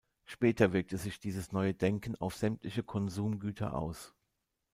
Später wirkte sich dieses neue Denken auf sämtliche Konsumgüter aus.